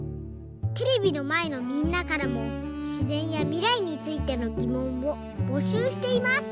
テレビのまえのみんなからもしぜんやみらいについてのぎもんをぼしゅうしています！